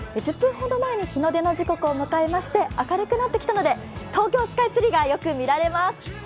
１０分ほど前に日の出の時刻を迎え明るくなりまして東京スカイツリーがよく見えます。